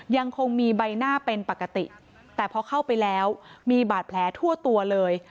ยังคงมีใบหน้าเป็นปกติแต่พอเข้าไปแล้วมีบาดแผลทั่วตัวเลย